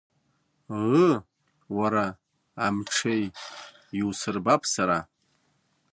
Ыыы, уара амҽеи, иусырбап сара!